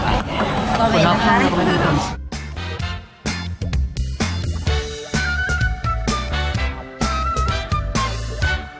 คนออกข้างก็ไม่ได้ทำ